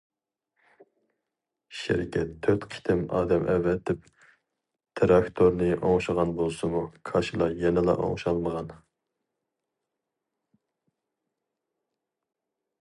شىركەت تۆت قېتىم ئادەم ئەۋەتىپ تىراكتورنى ئوڭشىغان بولسىمۇ، كاشىلا يەنىلا ئوڭشالمىغان.